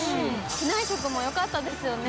機内食もよかったですよね。